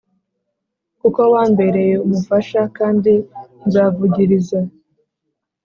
Kuko wambereye umufasha Kandi nzavugiriza